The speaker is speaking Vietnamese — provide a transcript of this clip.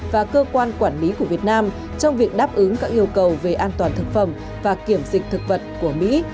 và cơ quan quản lý của việt nam trong việc đáp ứng các yêu cầu về an toàn thực phẩm và kiểm dịch thực vật của mỹ